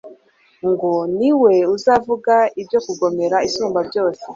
ngo: «Ni we uzavuga ibyo kugomera Isumba byose.